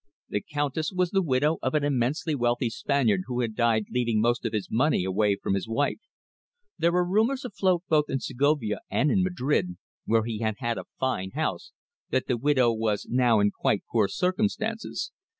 The Countess was the widow of an immensely wealthy Spaniard who had died leaving most of his money away from his wife. There were rumours afloat both in Segovia and in Madrid where he had had a fine house that the widow was now in quite poor circumstances.